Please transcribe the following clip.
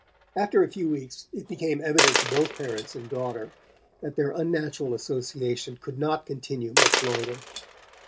After a few weeks it became evident to both parents and daughter that their unnatural association could not continue much longer.